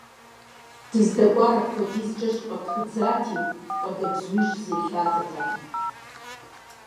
Дыздэкӏуар апхуэдизкӀэ щӀыпӀэ пхыдзати, къуалэбзуи щызелъатэртэкъым.